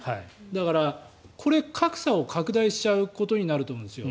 だから、これ、格差を拡大しちゃうことになると思うんですよ。